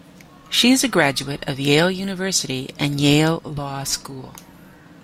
She is a graduate of Yale University and Yale Law School.